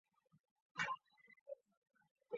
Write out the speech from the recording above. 弘治十一年乡试中举。